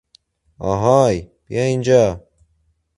آهای، بیا اینجا!